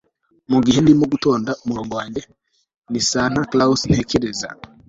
mugihe ndimo gutonda umurongo wanjye, ni santa claus ntekereza